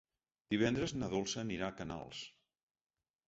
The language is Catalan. Divendres na Dolça anirà a Canals.